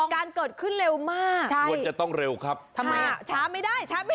เหตุการณ์เกิดขึ้นเร็วมากทำไมแบบเช้าไม่ได้เรื่องนี้